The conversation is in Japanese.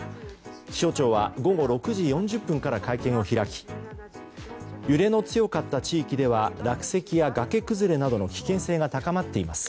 気象庁は午後６時４０分から会見を開き揺れの強かった地域では落石やがけ崩れなどの危険性が高まっています。